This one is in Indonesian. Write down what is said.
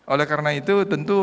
oleh karena itu tentu